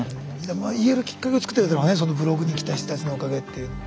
まあ言えるきっかけを作ってくれたのはブログに来た人たちのおかげっていう。